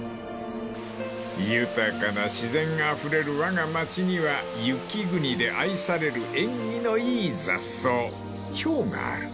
［豊かな自然があふれるわが町には雪国で愛される縁起のいい雑草ヒョウがある］